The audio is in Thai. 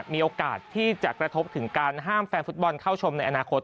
มีโอกาสที่จะกระทบถึงการห้ามแฟนฟุตบอลเข้าชมในอนาคต